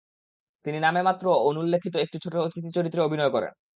তিনি নামেমাত্র ও অনুল্লেখিত একটি ছোট অতিথি চরিত্রে অভিনয় করেন।